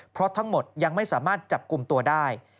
เพราะทั้งหมดยังไม่สามารถจับกลุ่มตัวได้